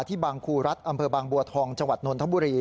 ที่บางครูรัฐอำเภอบางบัวทองจังหวัดนนทบุรี